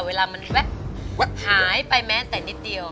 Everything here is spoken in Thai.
เวลามันแวะหายไปแม้แต่นิดเดียว